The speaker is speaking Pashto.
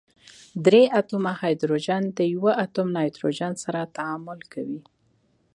درې اتومه هایدروجن د یوه اتوم نایتروجن سره تعامل کوي.